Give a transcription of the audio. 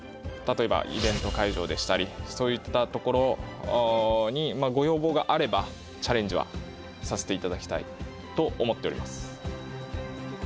例えばイベント会場でしたりそういったところにご要望があればチャレンジはさせていただきたいと思っております。